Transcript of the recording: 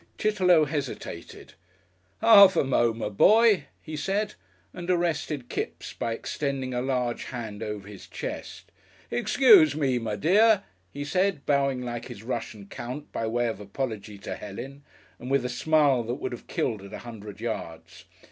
Chitterlow hesitated. "Half a mo', my boy," he said, and arrested Kipps by extending a large hand over his chest. "Excuse me, my dear," he said, bowing like his Russian count by way of apology to Helen and with a smile that would have killed at a hundred yards.